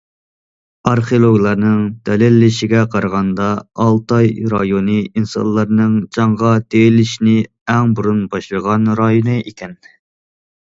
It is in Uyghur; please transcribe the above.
ئارخېئولوگلارنىڭ دەلىللىشىگە قارىغاندا، ئالتاي رايونى ئىنسانلارنىڭ چاڭغا تېيىلىشنى ئەڭ بۇرۇن باشلىغان رايونى ئىكەن.